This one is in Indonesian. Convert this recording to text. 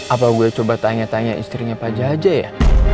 apa gue coba tanya tanya istrinya pak jaja ya